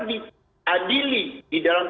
diadili di dalam